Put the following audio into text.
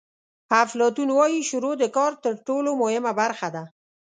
افلاطون وایي شروع د کار تر ټولو مهمه برخه ده.